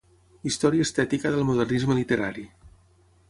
Història estètica del Modernisme literari.